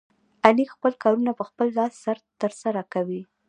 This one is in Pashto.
علي خپل کارونه په خپل لاس ترسره کوي.